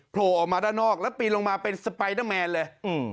โผล่ออกมาด้านนอกแล้วปีนลงมาเป็นสไปเดอร์แมนเลย